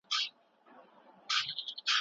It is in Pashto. ایا د ناتاشا ژوند په پای کې سم شو؟